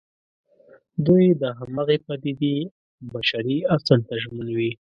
دوی د همغې پدېدې بشري اصل ته ژمن وي.